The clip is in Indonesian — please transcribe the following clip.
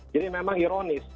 jadi memang ironis